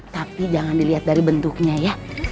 tapi jangan dilihat dari bentuknya ya